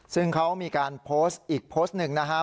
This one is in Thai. ซึ่งเขามีการโพสต์อีกโพสต์หนึ่งนะครับ